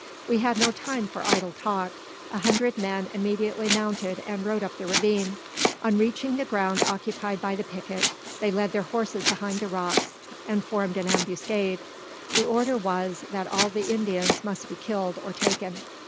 We had no time for idle talk. A hundred men immediately mounted and rode up the ravine. On reaching the ground occupied by the picket, they led their horses behind the rocks, and formed an ambuscade. The order was, that all the Indians must be killed or taken.